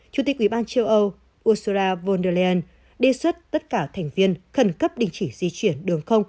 chủ tịch ủy ban châu âu ursura von der leyen đề xuất tất cả thành viên khẩn cấp đình chỉ di chuyển đường không